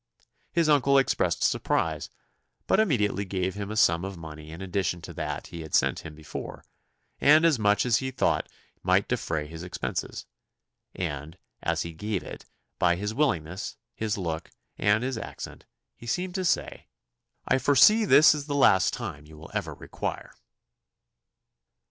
His uncle expressed surprise, but immediately gave him a sum of money in addition to that he had sent him before, and as much as he thought might defray his expenses; and, as he gave it, by his willingness, his look, and his accent, he seemed to say, "I foresee this is the last you will ever require."